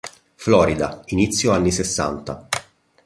Florida, inizio anni sessanta.